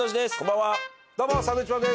どうもサンドウィッチマンです。